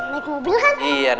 naik mobil kan